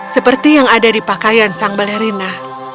seperti yang ada di pakaian sang balerina